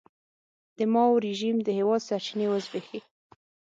د ماوو رژیم د هېواد سرچینې وزبېښي.